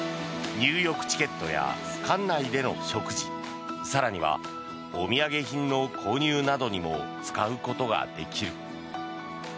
入浴チケットや館内での食事更にはお土産品の購入などにも使うことができる。